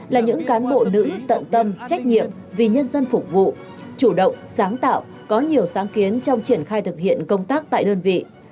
là những cán bộ nữ tận tâm trách nhiệm vì nhân dân phục vụ chủ động sáng tạo có nhiều sáng kiến trong triển khai thực hiện công tác tại đơn vị